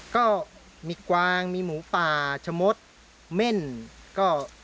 ก็มีกวางมีหมูป่าชะมดเม่นก็